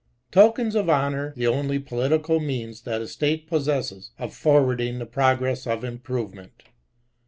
Tokens of honour the only political means that a state possesses of forwarding the progress of improvement.